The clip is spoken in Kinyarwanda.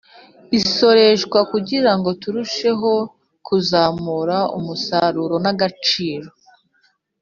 isoreshwa kugirango turusheho kuzamura umusaruro n'agaciro